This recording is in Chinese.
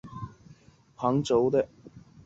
光学相机和数码相机都可以造成旁轴的。